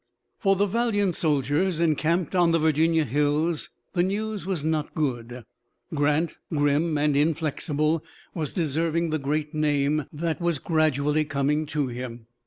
For the valiant soldiers encamped on the Virginia hills the news was not good. Grant, grim and inflexible, was deserving the great name that was gradually coming to him.